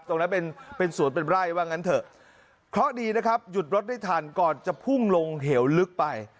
ตรงนั้นเป็นเป็นสวนเป็นไร่ว่างั้นเถอะเคราะห์ดีนะครับหยุดรถได้ทันก่อนจะพุ่งลงเหวลึกไป